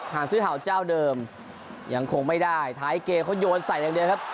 หาซื้อเห่าเจ้าเดิมยังคงไม่ได้ท้ายเกมเขาโยนใส่อย่างเดียวครับ